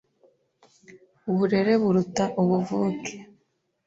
uburere buruta ubuvuke”,